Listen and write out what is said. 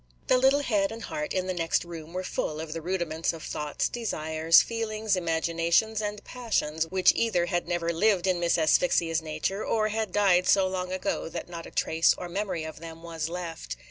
The little head and heart in the next room were full of the rudiments of thoughts, desires, feelings, imaginations, and passions which either had never lived in Miss Asphyxia's nature, or had died so long ago that not a trace or memory of them was left.